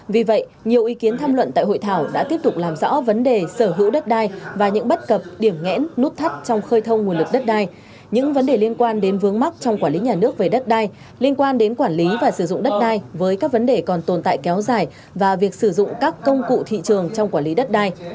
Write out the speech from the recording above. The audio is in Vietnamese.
vì vậy nhiều ý kiến tham luận tại hội thảo đã tiếp tục làm rõ vấn đề sở hữu đất đai và những bất cập điểm ngẽn nút thắt trong khơi thông nguồn lực đất đai những vấn đề liên quan đến vướng mắc trong quản lý nhà nước về đất đai liên quan đến quản lý và sử dụng đất đai với các vấn đề còn tồn tại kéo dài và việc sử dụng các công cụ thị trường trong quản lý đất đai